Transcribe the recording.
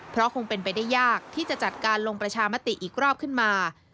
เพราะคงเป็นไปได้ยากที่จะจัดการลงประชามติอีกรอบขึ้นมา